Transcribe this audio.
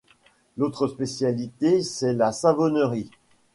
L'autre spécialité, c'est la savonnerie.